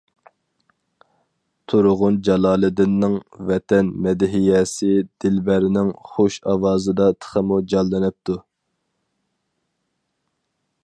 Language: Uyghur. تۇرغۇن جالالىدىننىڭ ۋەتەن مەدھىيەسى دىلبەرنىڭ خۇش ئاۋازىدا تېخىمۇ جانلىنىپتۇ.